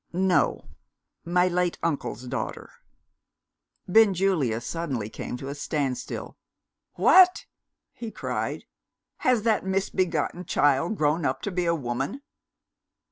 "No: my late uncle's daughter." Benjulia suddenly came to a standstill. "What!" he cried, "has that misbegotten child grown up to be a woman?"